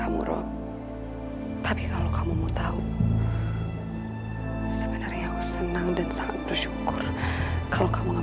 tapi kalau kamu mau tahu sebenarnya aku senang dan sangat bersyukur kalau kamu